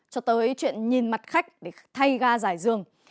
cho tới chuyện nhìn mặt khách để thay ga giải dường